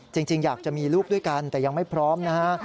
จริงอยากจะมีลูกด้วยกันแต่ยังไม่พร้อมนะฮะ